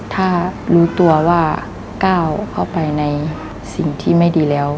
ถ้ารู้ตัวว่าก้าวเข้าไปในสิ่งที่ไม่ดีแล้ว